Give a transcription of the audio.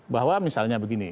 bahwa misalnya begini